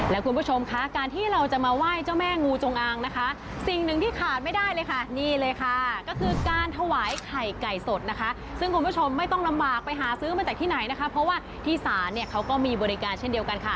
และคุณผู้ชมคะการที่เราจะมาไหว้เจ้าแม่งูจงอางนะคะสิ่งหนึ่งที่ขาดไม่ได้เลยค่ะนี่เลยค่ะก็คือการถวายไข่ไก่สดนะคะซึ่งคุณผู้ชมไม่ต้องลำบากไปหาซื้อมาจากที่ไหนนะคะเพราะว่าที่ศาลเนี่ยเขาก็มีบริการเช่นเดียวกันค่ะ